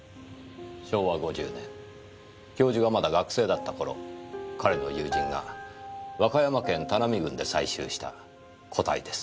昭和５０年教授がまだ学生だった頃彼の友人が和歌山県田波郡で採集した個体です。